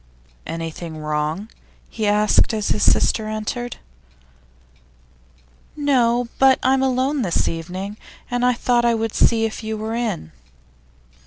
'Anything wrong?' he asked, as his sister entered. 'No; but I'm alone this evening, and I thought I would see if you were in.